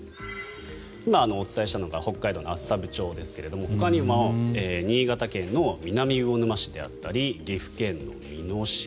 今お伝えしたのが北海道の厚沢部町ですがほかにも新潟県の南魚沼市であったり岐阜県の美濃市